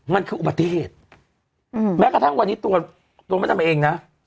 มันคืออุบัติเหตุแม้กระทั่งวันนี้ตัวตัวมดดำเองนะ